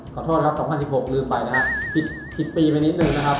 ขอโทษครับ๒๐๑๖ลืมไปนะครับคิดปีไปนิดนึงนะครับ